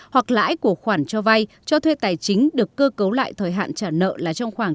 hoặc lãi của khoản cho vay cho thuê tài chính được cơ cấu lại thời hạn trả nợ là trong khoảng